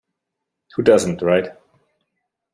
Who doesn't, right?